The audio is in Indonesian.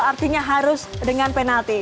artinya harus dengan penalti